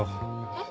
えっ？